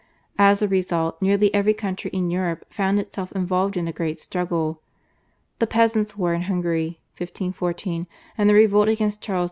As a result nearly every country in Europe found itself involved in a great struggle. The Peasants' War in Hungary (1514), the revolt against Charles V.